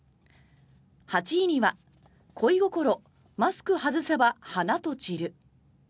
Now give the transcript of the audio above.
８位には「恋心マスク外せば花と散る」。